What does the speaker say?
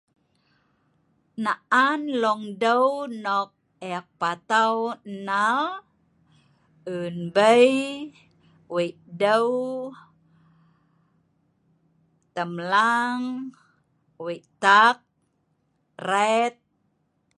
Naan longdeu nok ek patau nnal, unbei, weideu temlang, wei taak, ret .